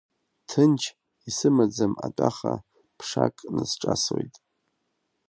Ҭынч исымаӡам атәаха, ԥшак нысҿасуеит.